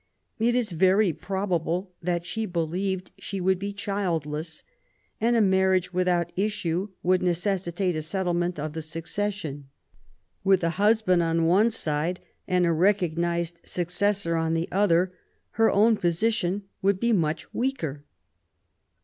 It is very probable that she believed she would be childless ; and a marriage without issue would necessitate a settlement of the succession. With a husband on one side and a recognised suc cessor on the other, her own position would be much weaker.